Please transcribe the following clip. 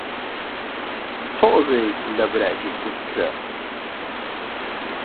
تۆزێک لە براکەی کورتترە